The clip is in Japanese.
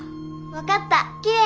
分かった。